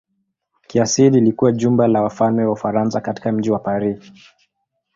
Kiasili ilikuwa jumba la wafalme wa Ufaransa katika mji wa Paris.